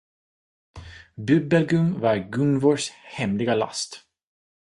Bubbelgum var Gunvors hemliga last.